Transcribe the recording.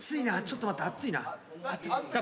ちょっと待って熱いな。